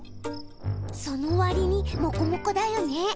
そのわりにもこもこだよね。